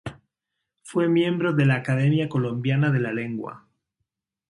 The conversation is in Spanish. Fue miembro de la Academia Colombiana de la Lengua.